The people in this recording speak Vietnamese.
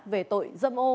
về tội dâm ô